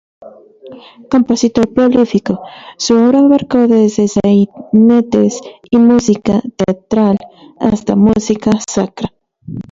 Compositor prolífico, su obra abarcó desde sainetes y música teatral hasta música sacra.